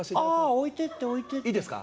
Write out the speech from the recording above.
置いてって置いてっていいですか？